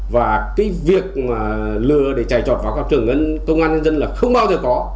và việc lừa để chạy trọt vào các trường công an nhân dân là không bằng